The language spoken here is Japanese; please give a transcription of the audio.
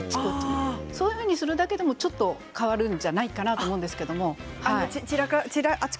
そういうふうにするだけでも変わるんじゃないかなと思います。